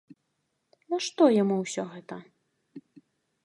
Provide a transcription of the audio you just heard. Нашто яму ўсё гэта?